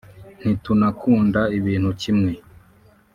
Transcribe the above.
ntitunakunda ibintu kimwe